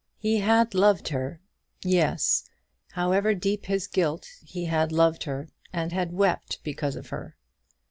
He had loved her: yes; however deep his guilt, he had loved her, and had wept because of her.